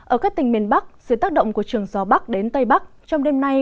ở các tỉnh miền bắc dưới tác động của trường gió bắc đến tây bắc trong đêm nay